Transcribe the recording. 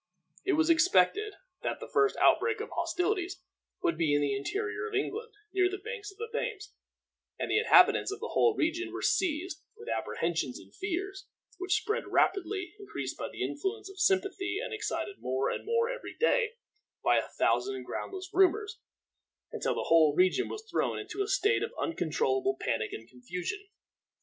It was expected that the first outbreak of hostilities would be in the interior of England, near the banks of the Thames, and the inhabitants of the whole region were seized with apprehensions and fears, which spread rapidly, increased by the influence of sympathy, and excited more and more every day by a thousand groundless rumors, until the whole region was thrown into a state of uncontrollable panic and confusion.